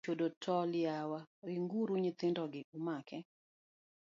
Diel ochodo tol yawa, ringuru nyithindogi umake.